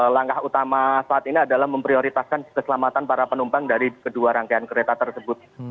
langkah utama saat ini adalah memprioritaskan keselamatan para penumpang dari kedua rangkaian kereta tersebut